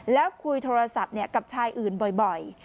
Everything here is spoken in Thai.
แล้วคุยโทรศัพท์กับชายอื่นบ่อย